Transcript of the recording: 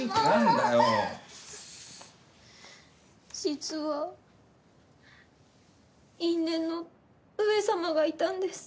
実は因縁の上様がいたんです。